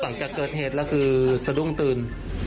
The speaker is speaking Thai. หลังจากเกิดเหตุแล้วคือสะดุ้งตื่น